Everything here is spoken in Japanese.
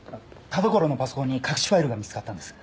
田所のパソコンに隠しファイルが見つかったんです。